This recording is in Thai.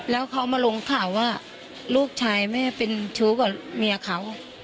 แล้วเขามาลงข่าวว่าลูกชายแม่เป็นชู้กับเมียเขา